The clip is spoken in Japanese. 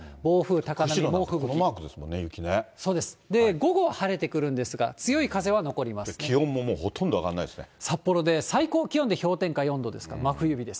釧路なんて横殴りマークですもんね、午後、晴れてくるんですが、気温ももうほとんど上がらな札幌で最高気温で氷点下４度ですから、真冬日です。